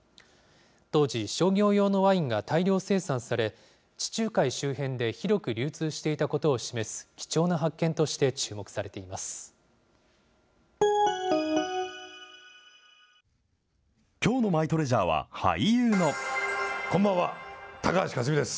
当時、商業用のワインが大量生産され、地中海周辺で広く流通していたことを示す貴重な発見として注目されています。